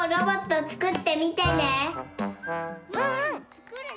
つくるね。